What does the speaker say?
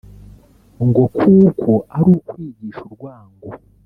ngo kuko ari ukwigisha urwango